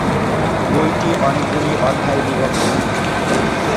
বইটি অনেকগুলি অধ্যায়ে বিভক্ত।